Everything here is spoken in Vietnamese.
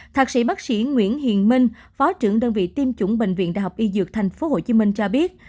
thạc sĩ bác sĩ nguyễn hiền minh phó trưởng đơn vị tiêm chủng bệnh viện đại học y dược thành phố hồ chí minh cho biết